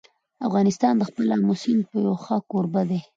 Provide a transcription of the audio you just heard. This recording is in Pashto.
افغانستان د خپل آمو سیند یو ښه کوربه دی.